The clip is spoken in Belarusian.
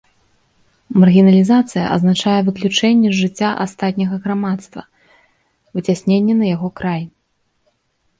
Маргіналізацыя азначае выключэнне з жыцця астатняга грамадства, выцясненне на яго край.